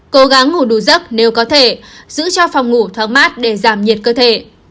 cố gắng ngủ đủ giấc nếu có thể giữ cho phòng ngủ thoáng mát để giảm nhiệt cơ thể